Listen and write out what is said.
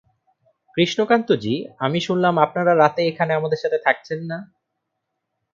কৃষ্ণকান্তজি, আমি শুনলাম আপনারা রাতে এখানে আমাদের সাথে থাকছেন না?